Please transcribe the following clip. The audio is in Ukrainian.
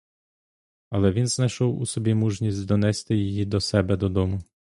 Але він знайшов у собі мужність донести її до себе додому.